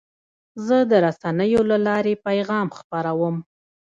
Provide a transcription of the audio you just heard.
زه د رسنیو له لارې پیغام خپروم.